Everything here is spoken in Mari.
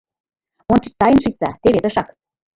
Ончыч сайынак шичса, теве тышак.